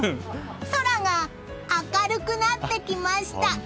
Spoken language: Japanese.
空が明るくなってきました！